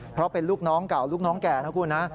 เพราะเป็นลูกน้องเก่าลูกน้องแก่นะคุณนะ